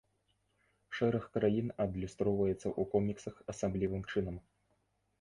Шэраг краін адлюстроўваецца ў коміксах асаблівым чынам.